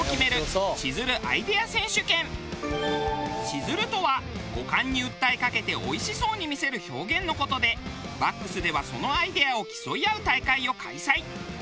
シズルとは五感に訴えかけておいしそうに見せる表現の事でバックスではそのアイデアを競い合う大会を開催。